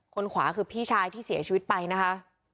ขวาคือพี่ชายที่เสียชีวิตไปนะคะ